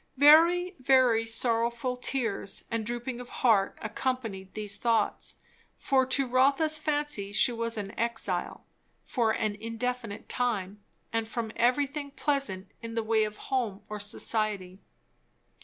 Very, very sorrowful tears and drooping of heart accompanied these thoughts; for to Rotha's fancy she was an exile, for an indefinite time, from everything pleasant in the way of home or society.